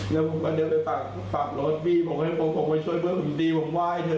แล้วผมก็เดี๋ยวไปฝากรถบี้ผมก็ช่วยเพื่อนผมดีผมว่าให้เถอะ